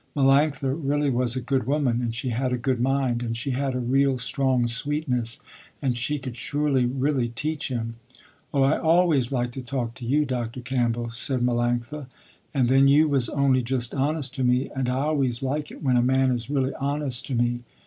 Melanctha really was a good woman, and she had a good mind, and she had a real, strong sweetness, and she could surely really teach him. "Oh I always like to talk to you Dr. Campbell" said Melanctha, "And then you was only just honest to me, and I always like it when a man is really honest to me."